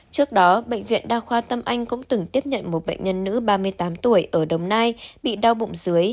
trước đó bệnh viện đa khoa tâm anh cũng từng tiếp nhận một bệnh nhân nữ ba mươi tám tuổi ở đồng nai bị đau bụng dưới